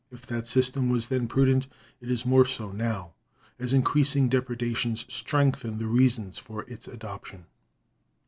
If that system was then prudent, it is more so now, as increasing depredations strengthen the reasons for its adoption.